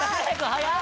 早い。